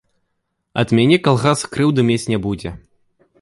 Ад мяне калгас крыўды мець не будзе.